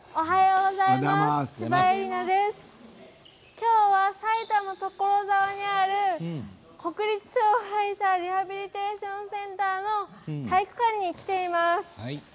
きょうは埼玉・所沢にある国立障害者リハビリテーションセンターの体育館に来ています。